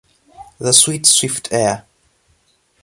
The sweet swift air!